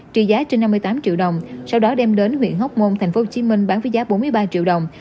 trị giá trên năm mươi tám triệu đồng sau đó đem đến huyện hóc môn tp hcm bán với giá bốn mươi ba triệu đồng